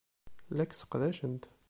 La k-sseqdacent.